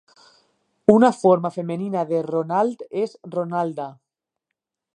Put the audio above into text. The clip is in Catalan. Una forma femenina de "Ronald" és "Ronalda".